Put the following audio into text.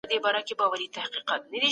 کارکوونکي مخکي روزل سوي وو.